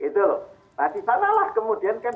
nah disanalah kemudian kan